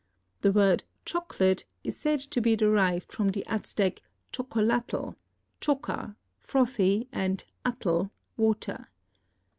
The word chocolate is said to be derived from the Aztec chocolatl (choca, frothy and atl, water).